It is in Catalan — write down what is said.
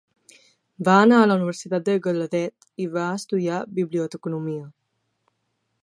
Va anar a la universitat de Gallaudet i va estudiar biblioteconomia.